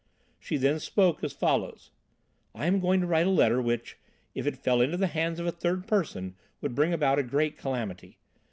"She then spoke as follows: 'I am going to write a letter which, if it fell into the hands of a third person, would bring about a great calamity.